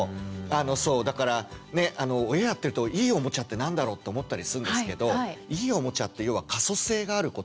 そうだから親をやってるといいおもちゃって何だろう？って思ったりするんですけどいいおもちゃって要は可塑性があることで。